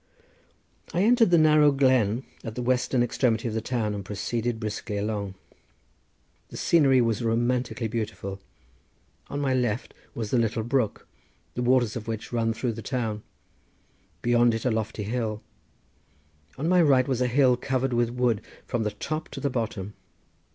I entered the narrow glen at the western extremity of the town and proceeded briskly along. The scenery was romantically beautiful: on my left was the little brook, the waters of which run through the town; beyond it a lofty hill; on my right was a hill covered with wood from the top to the bottom.